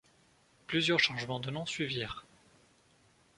Plusieurs changements de nom suivirent.